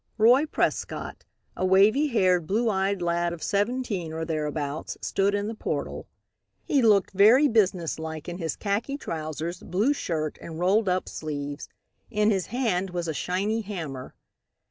Roy Prescott, a wavy haired, blue eyed lad of seventeen, or thereabouts, stood in the portal. He looked very business like in his khaki trousers, blue shirt and rolled up sleeves. In his hand was a shiny hammer.